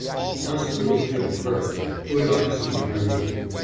hospital ship berth put opposite to my name.